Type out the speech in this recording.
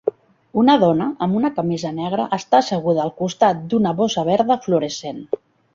Una dona amb una camisa negra està asseguda al costat d'una bossa verda fluorescent.